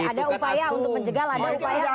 ada upaya untuk menjegal ada upaya